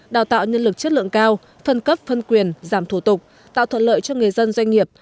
đào tạo nhân lực chất lượng cao phân cấp phân quyền giảm thủ tục tạo thuận lợi cho người dân doanh nghiệp